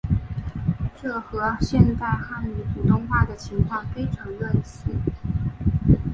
这和现代汉语普通话的情况非常类似。